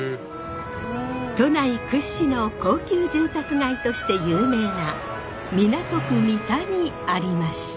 都内屈指の高級住宅街として有名な港区三田にありました。